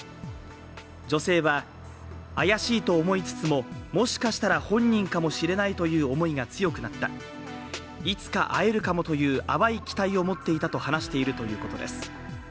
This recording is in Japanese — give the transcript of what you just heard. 女性は、怪しいと思いつつも、もしかしたら本人かもしれないという思いが強くなった、いつか会えるかもという淡い期待を持っていたと話しているということです。